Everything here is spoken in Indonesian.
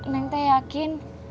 neng teh yakin